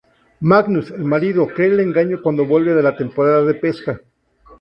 Magnus, el marido, cree el engaño cuando vuelve de la temporada de pesca.